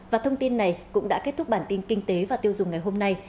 và thông tin này cũng đã kết thúc bản tin kinh tế và tiêu dùng ngày hôm nay